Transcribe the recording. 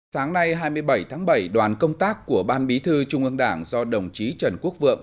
sáng nay hai mươi bảy tháng bảy đoàn công tác của ban bí thư trung ương đảng do đồng chí trần quốc vượng